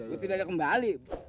ini tidak ada kembali